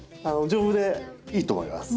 丈夫でいいと思います。